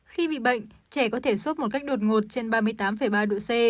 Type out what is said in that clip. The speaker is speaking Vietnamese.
khi bị bệnh trẻ có thể sốt một cách đột ngột trên ba mươi tám ba độ c